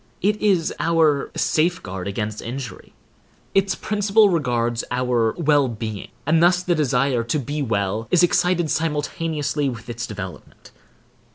It is our safeguard against injury. Its principle regards our well being; and thus the desire to be well is excited simultaneously with its development.